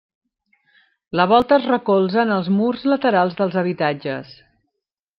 La volta es recolza en els murs laterals dels habitatges.